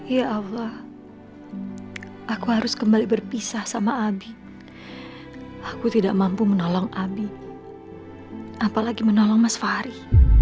ya allah aku harus kembali berpisah sama abi aku tidak mampu menolong abi apalagi menolong mas fahri